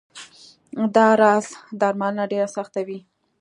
دا راز درملنه ډېره سخته وه.